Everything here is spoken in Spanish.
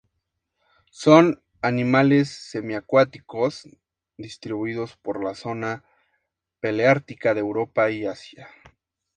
Son animales semiacuáticos, distribuidos por la zona Paleártica de Europa y Asia.